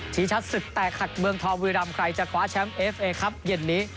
ชัดศึกแตกหักเมืองทองบุรีรำใครจะคว้าแชมป์เอฟเอครับเย็นนี้